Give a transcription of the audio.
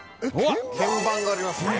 鍵盤がありますね。